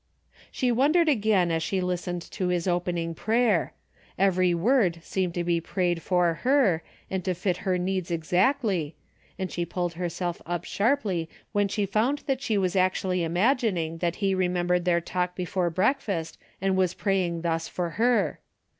She wondered again as she listened to his opening prayer. Every word seemed to be prayed for her, and to fit her needs exactly, and she pulled herself up sharply when she found that she was actually imagining that he remembered their talk before breakfast, and was praying thus for her.